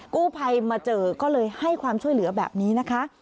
กู้ภัยมาเจอก็เลยให้ความช่วยเหลือแบบนี้นะคะ